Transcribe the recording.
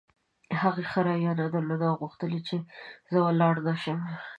هغې ښه رویه نه درلوده او غوښتل یې چې زه ولاړ نه شم.